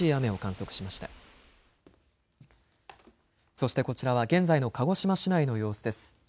そしてこちらは現在の鹿児島市内の様子です。